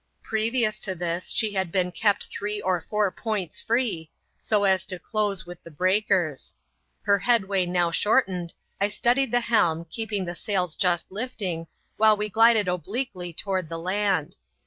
Previous to this, she had been kept three or four points free, so as to close with the breakers. Her headway now shortened, I steadied the helm, keeping the sails just lifting, while we glided obliquely toward the land.